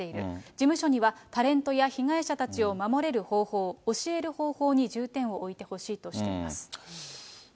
事務所にはタレントや被害者たちを守れる方法、教える方法に重点を置いてほしいとしています。